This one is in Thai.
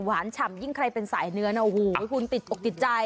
ฉ่ำยิ่งใครเป็นสายเนื้อนะโอ้โหคุณติดอกติดใจ